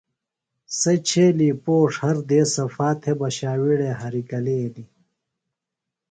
سےۡ چھیلیۡ پوݜ ہر دیس صفا تھےۡ بہ ݜاوِیڑے ہریۡ گلینیۡ۔